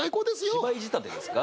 芝居仕立てですか？